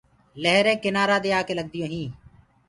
لهرينٚ ڪنآرآ دي آڪي لگديونٚ هينٚ۔